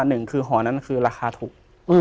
หนึ่งคือหอนั้นคือราคาถูก